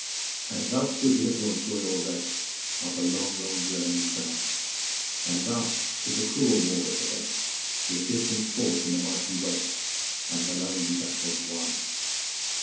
And thus with little of joy or rest Are the long, long journeys done; And thus 'tis a cruel war at the best Is distance fought in the mighty West, And the lonely battles won.